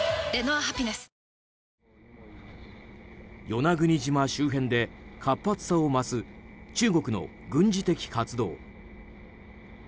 与那国島周辺で活発さを増す中国の軍事的活動。